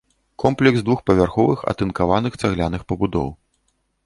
Комплекс двухпавярховых атынкаваных цагляных пабудоў.